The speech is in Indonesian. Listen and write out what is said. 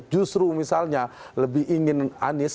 justru misalnya lebih ingin anies